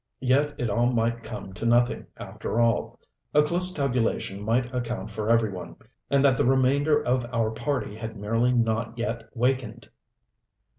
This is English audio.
Yet it all might come to nothing, after all. A close tabulation might account for every one and that the remainder of our party had merely not yet wakened.